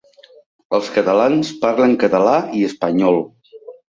Els catalans parlen català i espanyol.